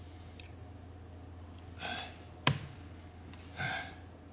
はあ。